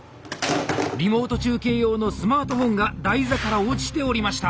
リモート中継用のスマートフォンが台座から落ちておりました。